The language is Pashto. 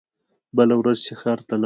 بله ورځ چې ښار ته لاړو.